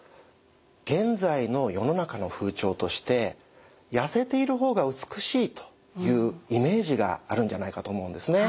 現在の世の中の風潮としてやせているほうが美しいというイメージがあるんじゃないかと思うんですね。